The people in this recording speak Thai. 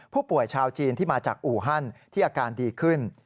ผู้ป่วยชาวจีนที่มาจากอู่ฮันที่อาการดีขึ้น